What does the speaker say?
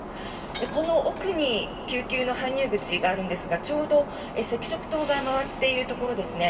この奥に救急の搬入口があるんですがちょうど赤色灯が回っているところですね。